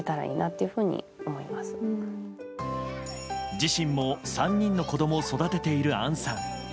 自身も３人の子供を育てている杏さん。